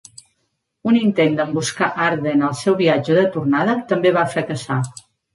Un intent d'emboscar Arden al seu viatge de tornada també va fracassar.